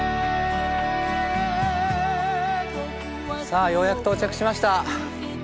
さあようやく到着しました。